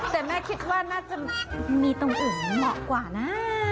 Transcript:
แต่แม่คิดว่าน่าจะมีตรงอื่นเหมาะกว่านะ